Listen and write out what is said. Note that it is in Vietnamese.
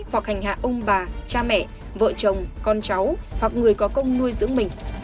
hoặc hành hạ ông bà cha mẹ vợ chồng con cháu hoặc người có công nuôi dưỡng mình